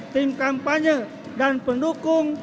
tim kampanye dan pendukung